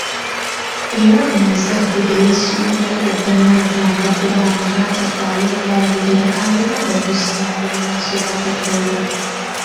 Era omuzadde eyeesuulirayo ogwa Nnaggamba ku baana n'atafaayo kubalabirira alina omusango mu maaso ga Katonda.